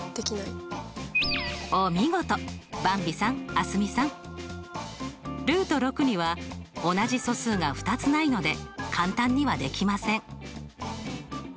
蒼澄さん。には同じ素数が２つないので簡単にはできません。